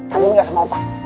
kangen gak sama opa